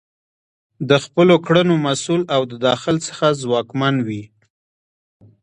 د خپلو کړنو مسؤل او د داخل څخه ځواکمن وي.